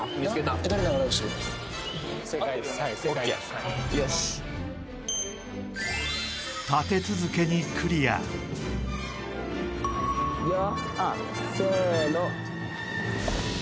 流れ星立て続けにクリアいくよ